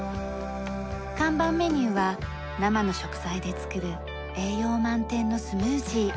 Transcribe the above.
看板メニューは生の食材で作る栄養満点のスムージー。